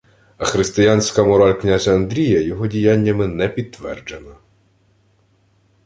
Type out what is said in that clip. А християнська мораль князя Андрія його діяннями не підтверджена